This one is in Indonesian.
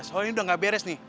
soal ini udah gak beres nih